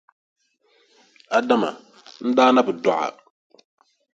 Adama, n daa na bi dɔɣi a.